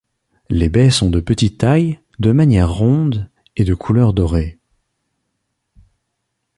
Les baies sont de petites tailles, de manières rondes et de couleur dorée.